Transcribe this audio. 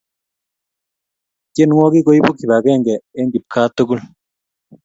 tienwokik koibu kipakenge eng kipkaa tukul